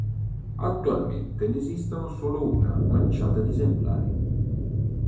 Attualmente ne esistono solo una manciata di esemplari.